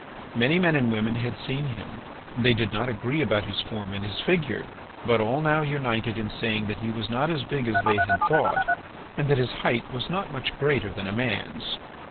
Many men and women had seen him. They did not agree about his form and his figure, but all now united in saying that he was not as big as they had thought, and that his height was not much greater than a man's.